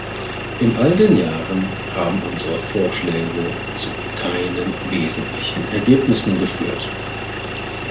In all den Jahren haben unsere Vorschläge zu keinen wesentlichen Ergebnissen geführt.